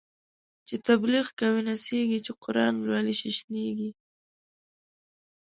چی تبلیغ کوی نڅیږی، چی قران لولی ششنیږی